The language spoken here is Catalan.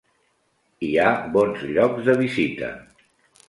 Hi ha bons llocs de visita.